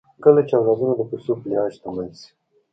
کله چې اولادونه د پيسو په لحاظ شتمن سي